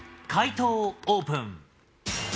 解答をオープン。